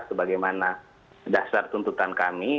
sebagaimana dasar tuntutan kami